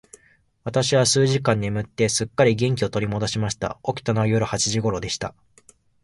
私は数時間眠って、すっかり元気を取り戻しました。起きたのは夜の八時頃でした。